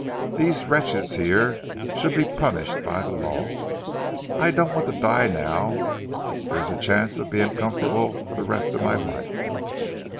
"These wretches here should be punished by the law. I don't want to die now there is a chance of being comfortable for the rest of my life."